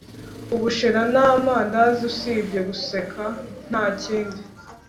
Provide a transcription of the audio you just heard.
Ubushera namandazi usibye guseka ntakindi